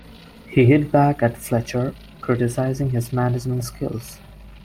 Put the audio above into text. He hit back at Fletcher, criticising his management skills.